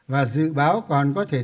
và dự báo còn có thể